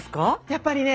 やっぱりね